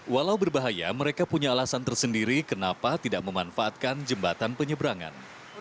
walau berbahaya mereka punya alasan tersendiri kenapa tidak memanfaatkan jembatan penyeberangan